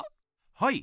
はい。